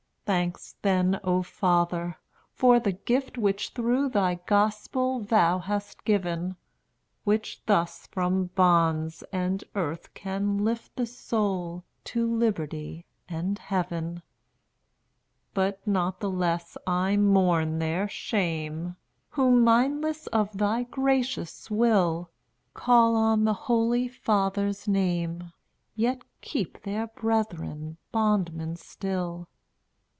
Thanks then, O Father! for the gift Which through thy Gospel thou hast given, Which thus from bonds and earth can lift The soul to liberty and heaven. But not the less I mourn their shame, Who, mindless of thy gracious will, Call on the holy Father's name, Yet keep their brethren bondmen still.